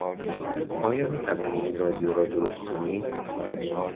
آیا میتوانی این رادیو را درست کنی؟